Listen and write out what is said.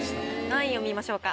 何位を見ましょうか？